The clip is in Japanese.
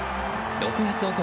６月男